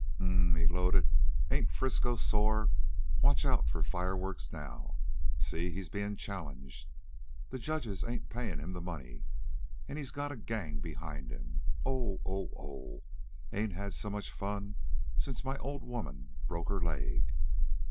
"Mm mm," he gloated. "Ain't Frisco sore? Watch out for fireworks now. See! He's bein' challenged. The judges ain't payin' him the money. An' he's got a gang behind him. Oh! Oh! Oh! Ain't had so much fun since my old woman broke her leg!"